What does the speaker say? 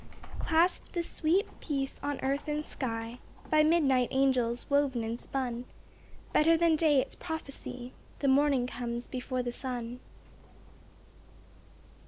Clasp the sweet peace on earth and sky, By midnight angels woven and spun; Better than day its prophecy, The morning comes before the sun.